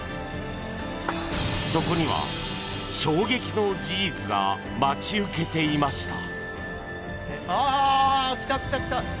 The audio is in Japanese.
そこには衝撃の事実が待ち受けていました。